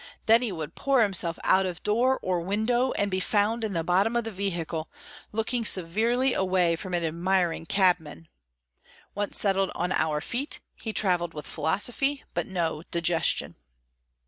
Then he would pour himself out of door or window, and be found in the bottom of the vehicle, looking severely away from an admiring cabman. Once settled on our feet he travelled with philosophy, but no digestion.